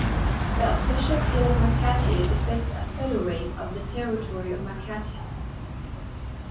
The official seal of Makati depicts a silhouette of the territory of Makati.